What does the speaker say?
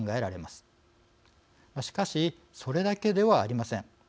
しかしそれだけではありません。